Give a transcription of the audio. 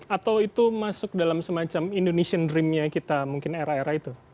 atau itu masuk dalam semacam indonesian dreamnya kita mungkin era era itu